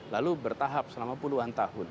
lalu bertahap selama puluhan tahun